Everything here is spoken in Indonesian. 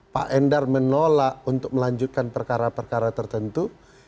pak endar menolak untuk melanjutkan perkara perkara tertentu